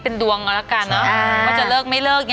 เป็นดวงกันดีกว่าจะเลิกไม่เลิก